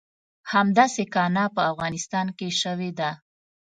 همداسې کانه په افغانستان کې شوې ده.